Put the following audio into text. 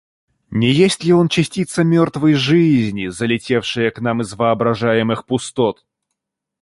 Не есть ли он частица мертвой жизни, залетевшая к нам из воображаемых пустот?